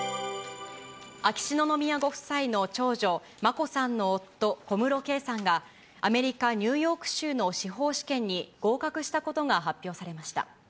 秋篠宮ご夫妻の長女、眞子さんの夫、小室圭さんがアメリカ・ニューヨーク州の司法試験に合格したことが発表されました。